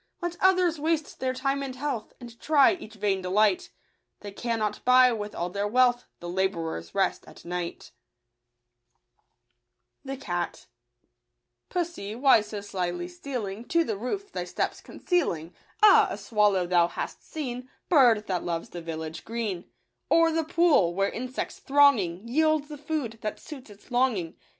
Let others waste their time and health, And try each vain delight, They cannot buy, with all their wealth, The labourer's rest at night." Illllunm... |f||l/|Yi» '"•„! IHNB WCTniffllljil li li I ill 1 1 1 Pussy, why so slily stealing To the roof, thy steps concealing ? Ah ! a swallow thou hast seen — Bird that loves the village green, Or the pool, where insects thronging, Yield the food that suits its longing.